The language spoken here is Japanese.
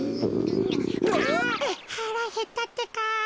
はらへったってか。